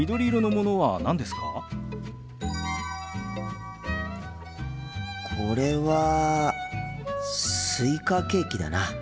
心の声これはスイカケーキだな。